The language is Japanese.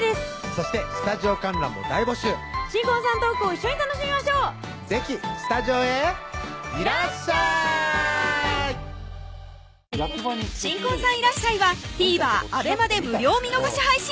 そしてスタジオ観覧も大募集新婚さんのトークを一緒に楽しみましょう是非スタジオへいらっしゃい新婚さんいらっしゃい！はＴＶｅｒ